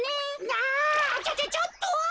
あちょちょちょっと。